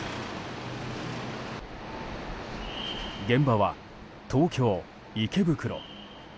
現場は、東京・池袋。